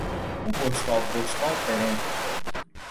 او بشقاب بشقاب برنج میخورد.